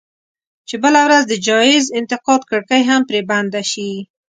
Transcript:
چې بله ورځ د جايز انتقاد کړکۍ هم پرې بنده شي.